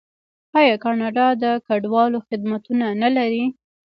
آیا کاناډا د کډوالو خدمتونه نلري؟